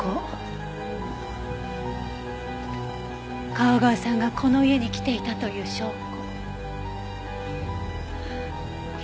川越さんがこの家に来ていたという証拠。